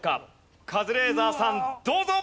カズレーザーさんどうぞ。